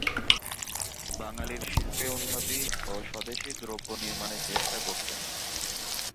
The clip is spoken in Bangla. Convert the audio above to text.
বাঙালির শিল্পে উন্নতি ও স্বদেশী দ্রব্য নির্মাণের চেষ্টা করতেন।